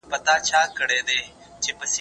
لکه يو څوک چي خپلي ميرمني ته ووايي.